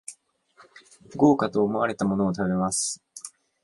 豪華と思われたものを食べます